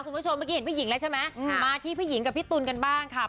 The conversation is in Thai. คุณผู้ชมเมื่อกี้เห็นผู้หญิงแล้วใช่ไหมมาที่พี่หญิงกับพี่ตุ๋นกันบ้างค่ะ